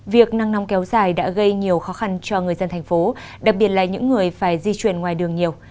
việc năng nóng kéo dài đã gây nhiều khó khăn cho người dân thành phố đặc biệt là những người phải di chuyển ngoài đường nhiều